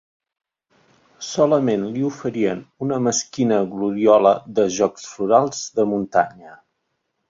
Solament li oferien una mesquina gloriola de Jocs Florals de muntanya.